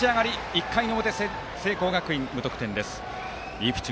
１回の表、聖光学院無得点です。